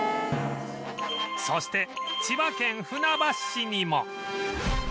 そして千葉県船橋市にも